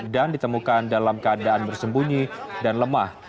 dan ditemukan dalam keadaan bersembunyi dan lemah